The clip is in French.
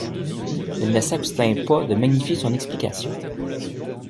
Elle ne s'abstint pas de magnifier son explication.